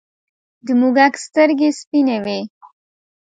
موږک سترگې سپینې وې.